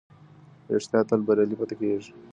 رښتيا تل بريالی پاتې کېږي.